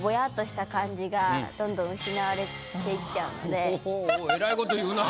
水彩画のおおえらいこと言うな。